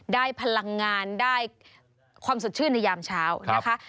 ได้พลังงานได้ความสดชื่นในยามเช้านะคะ